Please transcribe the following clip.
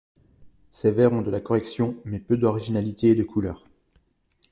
Ses vers ont de la correction, mais peu d’originalité et de couleur.